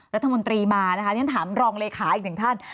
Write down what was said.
รัฐมนตรีมานะคะฉันถามรองเลขาอีกหนึ่งท่าน